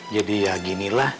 jadi ya ginilah